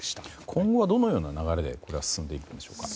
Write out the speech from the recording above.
今後はどのような流れでこれは進んでいくんでしょうか。